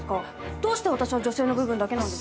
どうして私は「女性」の部分だけなんですか？